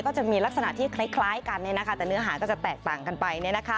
ก็จะมีลักษณะที่คล้ายกันแต่เนื้อหาก็จะแตกต่างกันไป